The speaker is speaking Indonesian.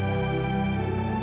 gobi aku mau ke rumah